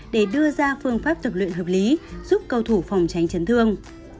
để đưa ra phương pháp tập luyện hợp lý giúp cầu thủ phòng tránh chấn thương